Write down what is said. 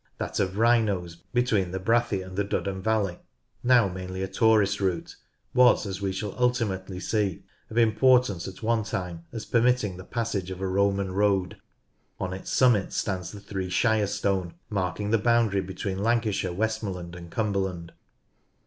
That of Wrynose, between the Brathay and the Duddon valley, now mainly a tourist route, was, as we shall ultimately see, of importance at one time as permitting the passage of a Roman road. On its summit stands the Three Shire Stone marking the boundary between Lancashire, Westmorland, and Cumberland.